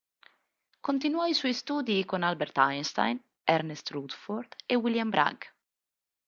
Continuò i suoi studi con Albert Einstein, Ernest Rutherford e William Bragg.